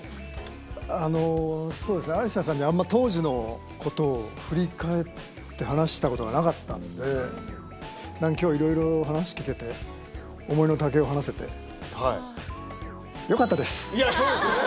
そうですね、ありささんに、あんまり当時のことを振り返って話したことがなかったので、きょう、いろいろ話聞けて、思いのたけを話せて、よかったでそうですよね。